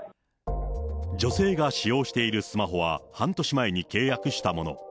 女性が使用しているスマホは、半年前に契約したもの。